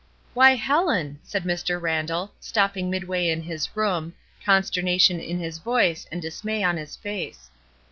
''Why, Helen!" said Mr. Randall, stopping midway in his room, consternation in his voice and dismay on his face.